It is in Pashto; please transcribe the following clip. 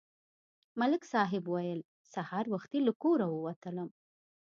ملک صاحب ویل: سهار وختي له کوره ووتلم.